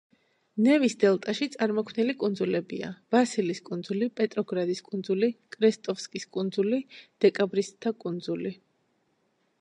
ნევის დელტაში წარმოქმნილი კუნძულებია: ვასილის კუნძული, პეტროგრადის კუნძული, კრესტოვსკის კუნძული, დეკაბრისტთა კუნძული.